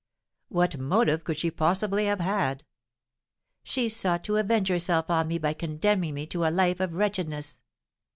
"What motive could she possibly have had?" "She sought to avenge herself on me by condemning me to a life of wretchedness."